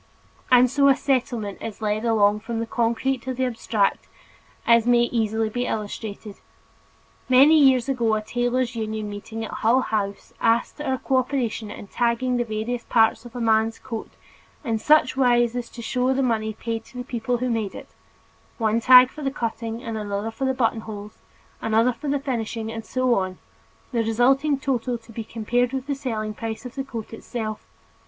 And so a Settlement is led along from the concrete to the abstract, as may easily be illustrated. Many years ago a tailors' union meeting at Hull House asked our cooperation in tagging the various parts of a man's coat in such wise as to show the money paid to the people who had made it; one tag for the cutting and another for the buttonholes, another for the finishing and so on, the resulting total to be compared with the selling price of the coat itself.